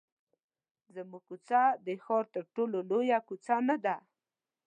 زموږ کوڅه د ښار تر ټولو لویه کوڅه نه ده.